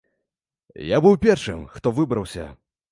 Я быў першым, хто выбраўся.